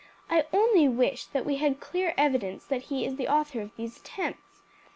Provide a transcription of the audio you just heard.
I only wish that we had clear evidence that he is the author of these attempts.